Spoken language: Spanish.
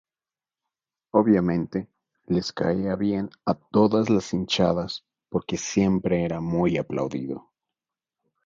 Obviamente, les caía bien a todas las hinchadas porque siempre era muy aplaudido.